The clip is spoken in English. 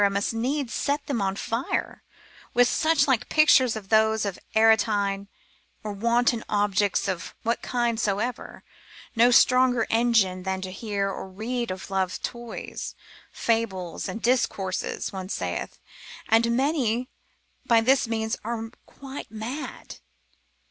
must needs set them on fire, with such like pictures, as those of Aretine, or wanton objects of what kind soever; no stronger engine than to hear or read of love toys, fables and discourses (one saith) and many by this means are quite mad.